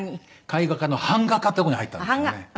絵画科の版画科ってとこに入ったんですね。